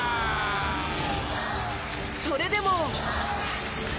それでも。